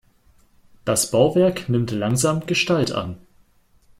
Das Bauwerk nimmt langsam Gestalt an.